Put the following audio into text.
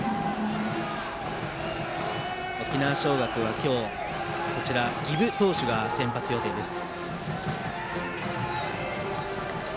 沖縄尚学は今日儀部投手が先発予定です。